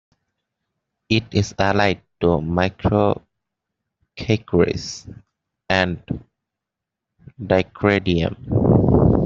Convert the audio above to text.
It is allied to "Microcachrys" and "Dacrydium".